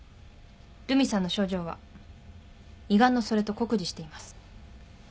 留美さんの症状は胃がんのそれと酷似しています。